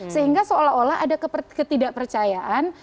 sehingga seolah olah ada ketidak percayaan